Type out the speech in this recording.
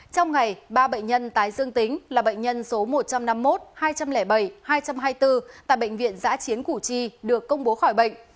trong ngày ba bệnh nhân tái dương tính là bệnh nhân số một trăm năm mươi một hai trăm linh bảy hai trăm hai mươi bốn tại bệnh viện giã chiến củ chi được công bố khỏi bệnh